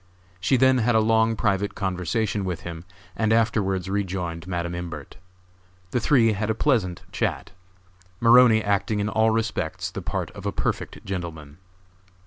She then had a long private conversation with him and afterwards re joined Madam Imbert. The three had a pleasant chat, Maroney acting in all respects the part of a perfect gentleman.